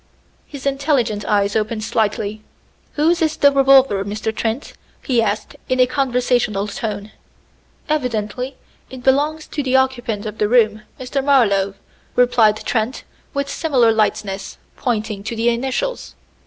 His intelligent eyes opened slightly. "Whose is the revolver, Mr. Trent?" he asked in a conversational tone. "Evidently it belongs to the occupant of the room, Mr. Marlowe," replied Trent with similar lightness, pointing to the initials.